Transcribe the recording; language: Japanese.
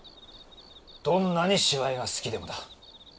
どんなに芝居が好きでもだ。